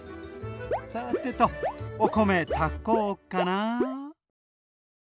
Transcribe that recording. さてとお米炊こうかな。